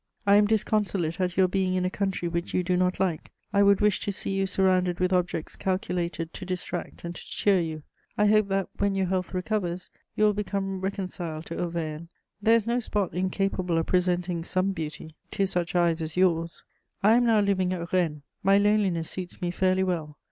"I am disconsolate at your being in a country which you do not like. I would wish to see you surrounded with objects calculated to distract and to cheer you. I hope that, when your health recovers, you will become reconciled to Auvergne: there is no spot incapable of presenting some beauty to such eyes as yours. I am now living at Rennes: my loneliness suits me fairly well.